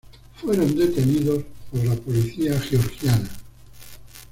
Fueron detenidos por la policía georgiana.